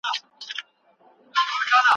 د معلوماتو ډلبندي زده کړه اسانوي.